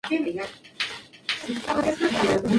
Un año más tarde Jenny y sus hijos lo seguirían.